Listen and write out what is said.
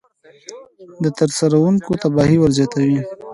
د ترسروونکي تباهي ورزیاتوي.